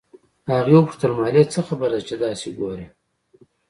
هغې وپوښتل مالې څه خبره ده چې دسې ګورې.